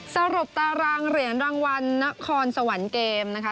สรุปตารางเหรียญรางวัลนครสวรรค์เกมนะคะ